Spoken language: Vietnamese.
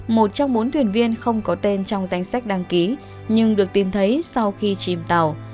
một trong bốn thuyền viên không có tên trong danh sách đăng ký nhưng được tìm thấy sau khi chìm tàu